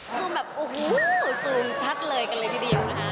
ซูมแบบโอ้โหซูมชัดเลยกันเลยทีเดียวนะคะ